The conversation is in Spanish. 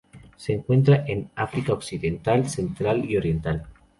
Se encuentra en África occidental, central y oriental.